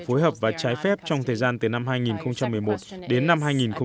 phối hợp và trái phép trong thời gian từ năm hai nghìn một mươi một đến năm hai nghìn một mươi bảy